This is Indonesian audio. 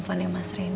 sampai kamu kepikiran